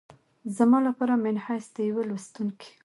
زما لپاره منحیث د یوه لوستونکي